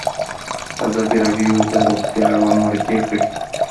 ازادي راډیو د روغتیا اړوند مرکې کړي.